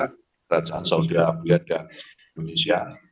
kerajaan saudi arabia dan indonesia